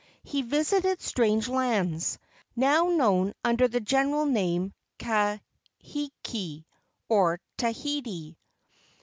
He visited strange lands, now known under the general name, Kahiki, or Tahiti.